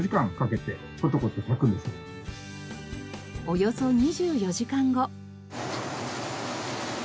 およそ２４時間後。